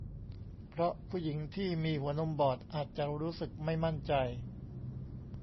เพราะผู้หญิงที่มีหัวนมบอดอาจจะรู้สึกไม่มั่นใจ